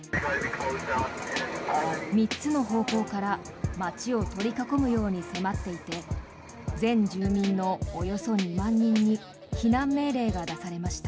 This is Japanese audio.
３つの方向から街を取り囲むように迫っていて全住民のおよそ２万人に避難命令が出されました。